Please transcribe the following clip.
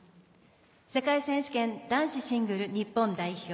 世界選手権男子シングル日本代表